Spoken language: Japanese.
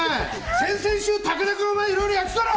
先週、武田君といろいろやってたろ！